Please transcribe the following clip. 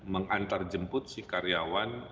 mengantar jemput si karyawan